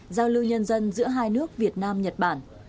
giao lưu nhân dân giữa hai nước việt nam nhật bản